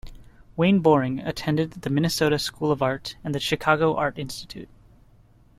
Wayne Boring attended the Minnesota School of Art and the Chicago Art Institute.